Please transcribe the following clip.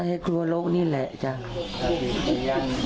แต่พอมันมีประเด็นเรื่องโควิด๑๙ขึ้นมาแล้วก็ยังไม่มีผลชาญสูตรที่บ้าน